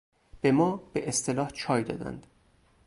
به ما به اصطلاح چای دادند.